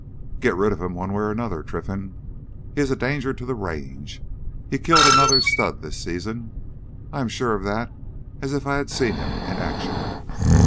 "Get rid of him one way or another, Trinfan. He is a danger to the Range. He killed another stud this season. I am as sure of that as if I had seen him in action."